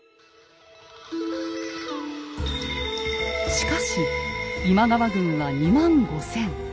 しかし今川軍は２万５，０００。